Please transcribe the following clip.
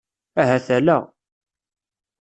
Ahat ala.